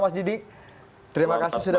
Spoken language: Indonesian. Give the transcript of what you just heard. mas didi terima kasih sudah